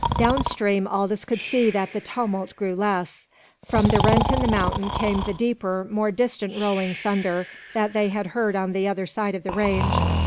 Downstream Aldous could see that the tumult grew less; from the rent in the mountain came the deeper, more distant rolling thunder that they had heard on the other side of the range.